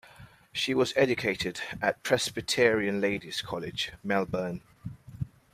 She was educated at Presbyterian Ladies' College, Melbourne.